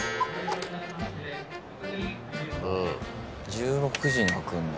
１６時に開くんだ。